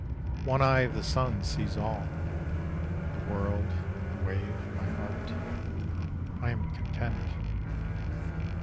One eye of the sun sees all: The world, the wave, my heart. I am content.